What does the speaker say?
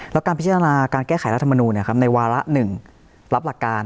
แล้วการพิจารณาการแก้ไขรัฐมนูลเนี่ยครับในวาระหนึ่งรับหลักการ